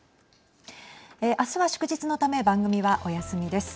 明日は祝日のため番組はお休みです。